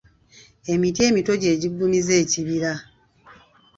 Emiti emito gy’egiggumiza ekibira.